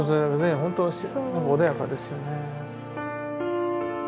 本当に穏やかですよね。